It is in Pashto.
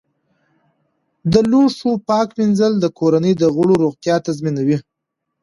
د لوښو پاک مینځل د کورنۍ د غړو روغتیا تضمینوي.